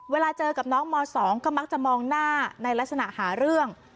เวลาเจอกับน้องม๒ก็มักจะมองหน้าในลักษณะหาเรื่อง